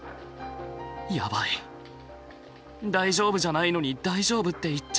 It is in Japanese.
やばい大丈夫じゃないのに大丈夫って言っちゃった。